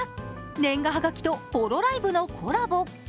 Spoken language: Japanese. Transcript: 年賀はがきとホロライブのコラボ。